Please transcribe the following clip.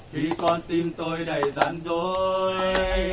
khi con tim tôi đầy giản đối